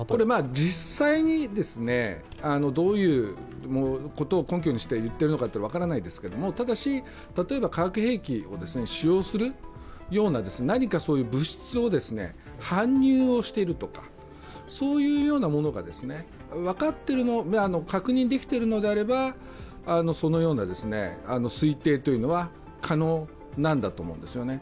実際に、どういうことを根拠にして言っているか分からないですが例えば化学兵器を使用するような何かそういう物質を搬入をしているとかそういうようなものが確認できているのであれば、そのような推定というのは可能なんだと思うんですよね。